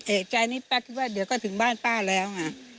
เอกใจนี่ป้าคิดว่าเดี๋ยวก็ถึงบ้านป้าแล้วไง